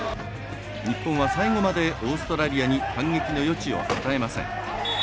日本は最後までオーストラリアに反撃の余地を与えません。